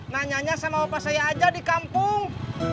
nanyanya sama bapak saya aja di kampung